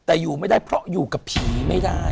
แต่อยู่ไม่ได้เพราะอยู่กับผีไม่ได้